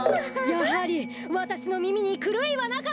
やはりわたしのみみにくるいはなかった！